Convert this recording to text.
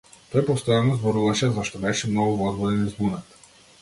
Тој постојано зборуваше зашто беше многу возбуден и збунет.